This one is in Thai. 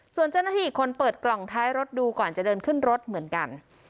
ส่วนเจ้าหน้าที่อีกคนเปิดกล่องท้ายรถดูก่อนจะเดินขึ้นรถเหมือนกัน